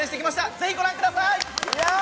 ぜひご覧ください。